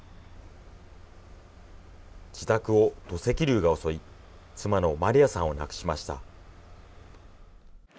自宅を土石流が襲い、妻のマリヤさんを亡くしました。